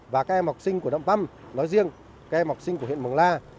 và các em học sinh của đạm păm nói riêng các em học sinh của huyện mường la